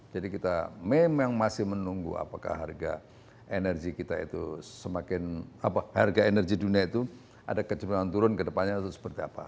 jadi kita memang masih menunggu apakah harga energi kita itu semakin apa harga energi dunia itu ada kecepatan turun kedepannya seperti apa